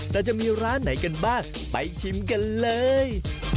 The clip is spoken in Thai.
แต่จะมีร้านไหนกันบ้างไปชิมกันเลย